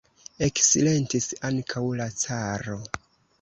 Eksilentis ankaŭ la caro.